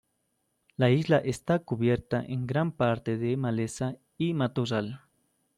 La isla está cubierta en gran parte de maleza y matorral.